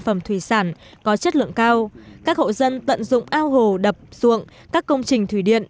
phẩm thủy sản có chất lượng cao các hộ dân tận dụng ao hồ đập ruộng các công trình thủy điện